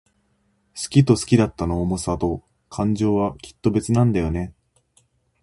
好きと好きだったの想さと感情は、きっと別なんだよね。